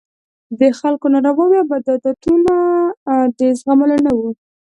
د خلکو نارواوې او بدعتونه د زغملو نه وو.